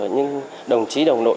những đồng chí đồng đội